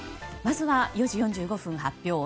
まずは４時４５分発表